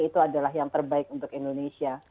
itu adalah yang terbaik untuk indonesia